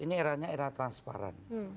ini eranya era transparan